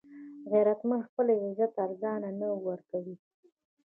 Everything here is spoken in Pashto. غیرتمند خپل عزت ارزانه نه ورکوي